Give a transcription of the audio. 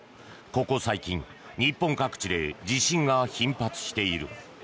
ここ最近、日本各地で地震が頻発している。